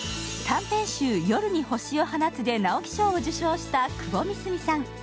短編集「夜に星を放つ」で直木賞を受賞した窪美澄さん。